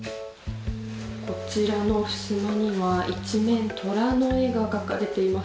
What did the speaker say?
こちらのふすまには一面トラの絵が描かれています。